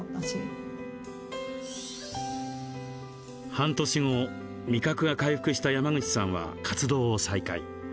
半年後味覚が回復した山口さんは活動を再開。